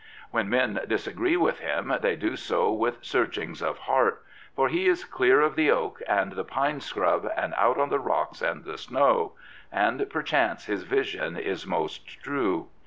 When men disagree with him they do so with searchings of heart, for he is clear of the oak and the pine scrub, and out on the rocks and the snow," and perchance his vision is most true.